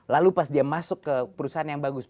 lalu pas dia masuk ke perusahaan yang bagus